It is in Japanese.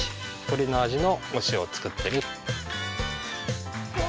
とりの味のお塩を作ってる。